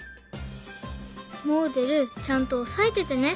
もおでるちゃんと押さえててね。